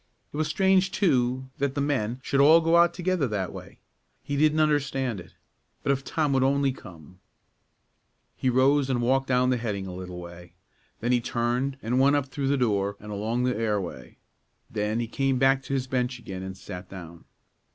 It was strange, too, that the men should all go out together that way; he didn't understand it. But if Tom would only come He rose and walked down the heading a little way; then he turned and went up through the door and along the airway; then he came back to his bench again, and sat down.